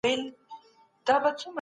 د څښاک اوبه د روغتیا تضمین دی.